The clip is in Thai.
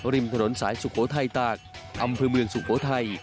ริมถนนสายสุโขทัยตากอำเภอเมืองสุโขทัย